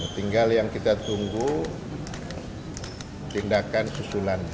tinggal yang kita tunggu tindakan susulannya